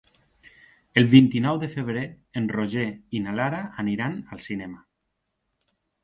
El vint-i-nou de febrer en Roger i na Lara aniran al cinema.